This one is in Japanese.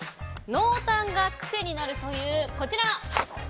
濃淡がクセになるというこちら。